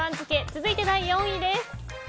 続いて第４位です。